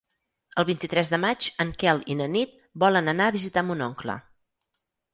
El vint-i-tres de maig en Quel i na Nit volen anar a visitar mon oncle.